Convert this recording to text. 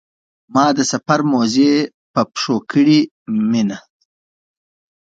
ما د سفر موزې په پښو کړې مینه.